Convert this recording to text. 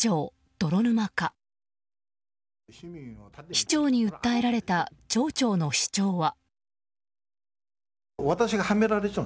市長に訴えられた町長の主張は。